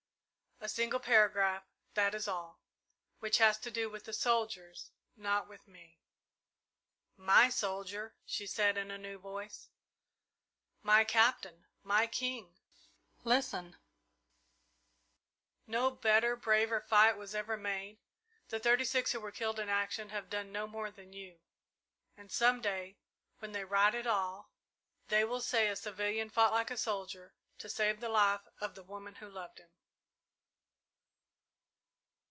A single paragraph, that is all which has to do with the soldiers, not with me." "My soldier!" she said in a new voice, "my captain my king listen! No better, braver fight was ever made. The thirty six who were killed in action have done no more than you; and some day, when they write it all, they will say a civilian fought like a soldier to save the life of the woman who loved him!"